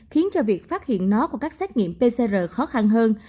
khiến cho việc phát hiện nó của các xét nghiệm pcr khó khăn hơn